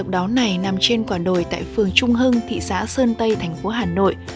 vùng đáu này nằm trên quả đồi tại phường trung hưng thị xã sơn tây thành phố hà nội